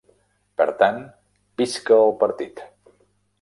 Per tant, visca el partit!